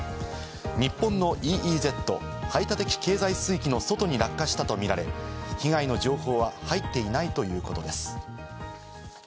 日本のＥＥＺ＝排他的経済水域の外に落下したとみられ、被害の情報は入っていないということです。